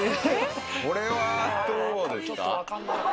これはどうですか？